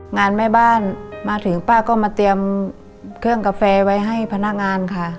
งานแม่บ้านมาถึงป้าก็มาเตรียมเครื่องกาแฟไว้ให้พนักงานค่ะ